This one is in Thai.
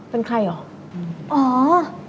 เป็นใครหรอ